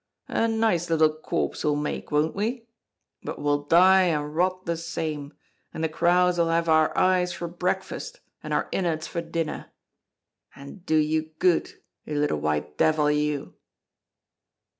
A nice little corpse we'll make, won't we? But we'll die and rot the same, and the crows'll have our eyes for breakfast and our innards for dinner! And do you good, you little white devil, you!"